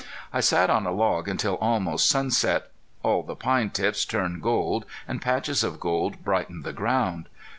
I sat on a log until almost sunset. All the pine tips turned gold and patches of gold brightened the ground.